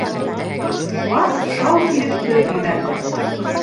Класс шау килеп көлөп ебәрҙе.